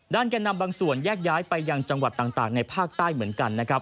ด้านแก่นำบางส่วนแยกย้ายไปอย่างจังหวัดต่างในภาคใต้เหมือนกัน